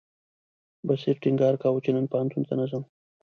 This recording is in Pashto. بصیر ټینګار کاوه چې نن پوهنتون ته نه ځم.